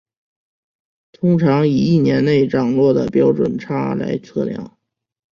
通常以一年内涨落的标准差来测量。